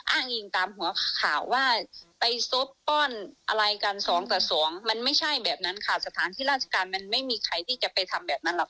อ้างอิงตามหัวข่าวว่าไปซบป้อนอะไรกันสองต่อสองมันไม่ใช่แบบนั้นค่ะสถานที่ราชการมันไม่มีใครที่จะไปทำแบบนั้นหรอก